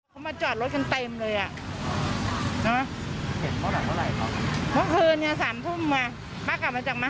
ก็เราก็ไม่รู้ใครปิดฉันนะครับ